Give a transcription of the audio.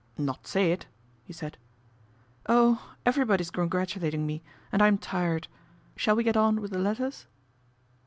" Not say it ?" he said. " Oh ! everybody's congratulating me, and I'm tired. Shall we get on with the letters